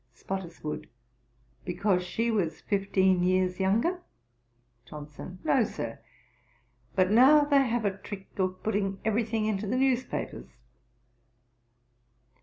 SPOTTISWOODE. 'Because she was fifteen years younger?' JOHNSON. 'No, Sir; but now they have a trick of putting every thing into the newspapers.'